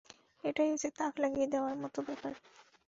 এটাই হচ্ছে তাক লাগিয়ে দেয়ার মতো ব্যাপার!